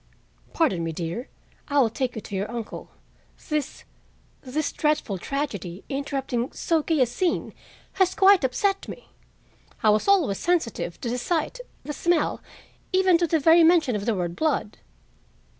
"Pardon me, dear, I will take you to your uncle. This—this dreadful tragedy, interrupting so gay a scene, has quite upset me. I was always sensitive to the sight, the smell, even to the very mention of the word blood."